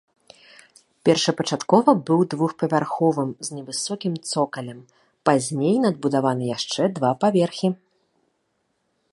Першапачаткова быў двухпавярховым з невысокім цокалем, пазней надбудаваны яшчэ два паверхі.